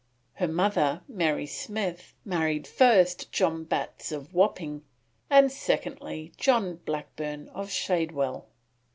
Her mother, Mary Smith, married first John Batts of Wapping, and secondly, John Blackburn of Shadwell.